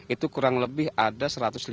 itu kurang lebih ada satu ratus lima puluh